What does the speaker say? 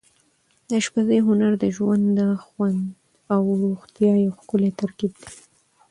د اشپزۍ هنر د ژوند د خوند او روغتیا یو ښکلی ترکیب دی.